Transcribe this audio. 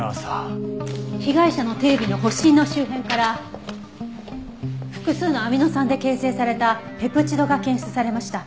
被害者の手指の発疹の周辺から複数のアミノ酸で形成されたペプチドが検出されました。